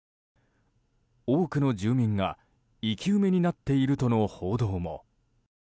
多くの住民が生き埋めになっているとの報道も。